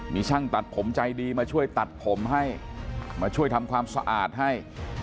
มีช่างตัดผมใจดีมาช่วยตัดผมให้มาช่วยทำความสะอาดให้